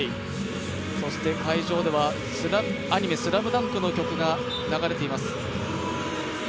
そして会場ではアニメ「ＳＬＡＭＤＵＮＫ」の曲が流れています。